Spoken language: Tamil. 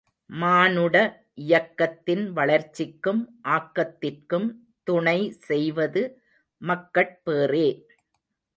மானுட இயக்கத்தின் வளர்ச்சிக்கும் ஆக்கத்திற்கும் துணை செய்வது மக்கட் பேறே.